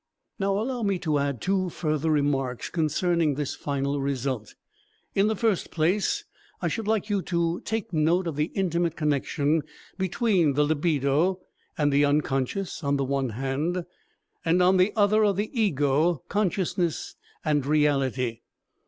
Now allow me to add two further remarks concerning this final result. In the first place, I should like you to take note of the intimate connection between the libido and the unconscious on the one hand, and on the other of the ego, consciousness, and reality.